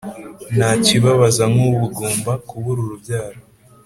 ntakibabaza nk ubugumba kubura urubyaro